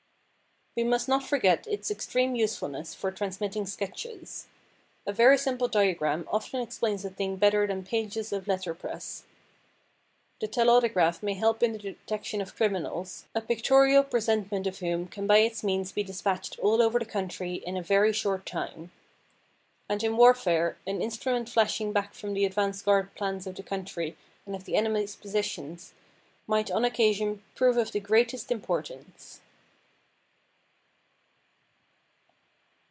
We must not forget its extreme usefulness for transmitting sketches. A very simple diagram often explains a thing better than pages of letter press. The telautograph may help in the detection of criminals, a pictorial presentment of whom can by its means be despatched all over the country in a very short time. And in warfare an instrument flashing back from the advance guard plans of the country and of the enemy's positions might on occasion prove of the greatest importance.